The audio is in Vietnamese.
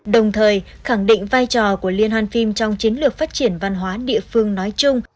đồng thời khẳng định vai trò của liên hoan phim trong chiến lược phát triển văn hóa địa phương nói chung